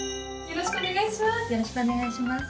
よろしくお願いします。